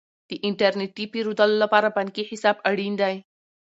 د انټرنیټي پیرودلو لپاره بانکي حساب اړین دی.